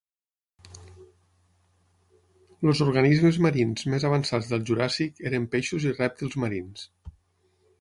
Els organismes marins més avançats del Juràssic eren peixos i rèptils marins.